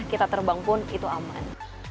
kita terbang pun itu aman